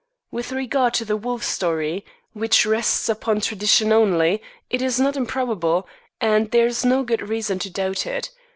With regard to the wolf story, which rests upon tradition only, it is not improbable, and there is no good reason to doubt it.